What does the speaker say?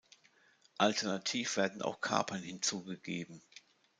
Alternativ werden auch Kapern hinzugegeben.